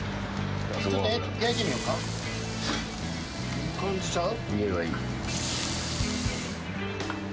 いい感じちゃう？